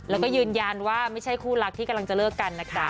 แล้วก็ยืนยันว่าไม่ใช่คู่รักที่กำลังจะเลิกกันนะจ๊ะ